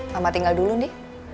mama tinggal dulu nih